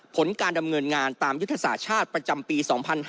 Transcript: ผลการดำเนินงานตามยุทธศาสตร์ชาติประจำปี๒๕๕๙